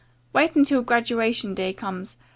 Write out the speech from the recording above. Wait until graduation day comes.